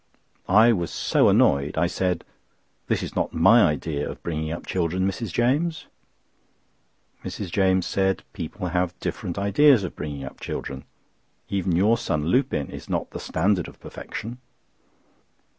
I was so annoyed, I said: "That is not my idea of bringing up children, Mrs. James." Mrs. James said. "People have different ideas of bringing up children—even your son Lupin is not the standard of perfection."